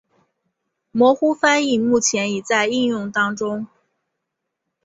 模糊翻译目前已在应用当中。